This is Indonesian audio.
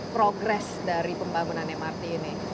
progres dari pembangunan mrt ini